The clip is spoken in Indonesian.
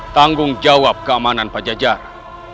tanggung jawab keamanan pajajara